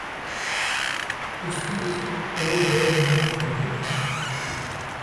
"Tushka" is a Choctaw word meaning "warrior".